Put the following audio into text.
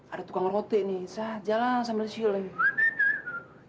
ada tukang roti nih saja lah sambil siul nih